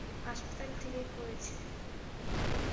হাসপাতাল থেকে করেছে।